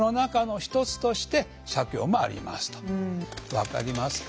分かりますか？